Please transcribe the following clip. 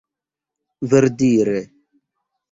verdire